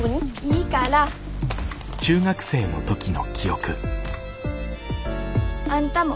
いいから。あんたも。